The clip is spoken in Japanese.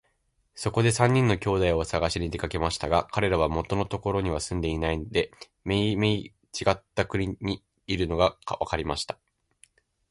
そこで三人の兄弟をさがしに出かけましたが、かれらは元のところには住んでいないで、めいめいちがった国にいるのがわかりました。